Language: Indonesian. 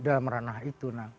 dalam ranah itu